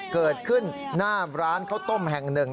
เกิดขึ้นหน้าร้านข้าวต้มแห่งหนึ่ง